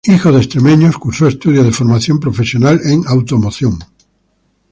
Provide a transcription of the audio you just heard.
Hijo de extremeños, cursó estudios de formación profesional en automoción.